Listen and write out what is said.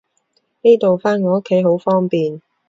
呢度返我屋企好方便